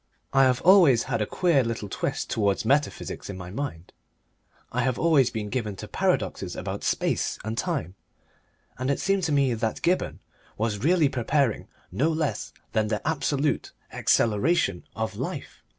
I have always had a queer little twist towards metaphysics in my mind. I have always been given to paradoxes about space and time, and it seemed to me that Gibberne was really preparing no less than the absolute acceleration of life.